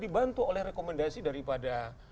tentu oleh rekomendasi daripada